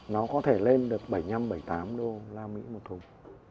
nó có thể lên được bảy mươi năm bảy mươi tám đô la mỹ một thùng